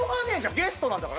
ゲストなんだから。